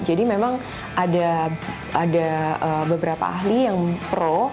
jadi memang ada beberapa ahli yang pro